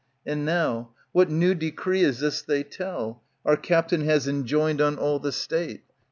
And now, what new decree is this they tell, Our captain has enjoined on all the State